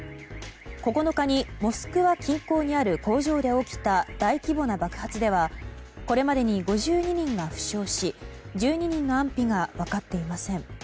９日に、モスクワ近郊にある工場で起きた大規模な爆発ではこれまでに５２人が負傷し１２人の安否が分かっていません。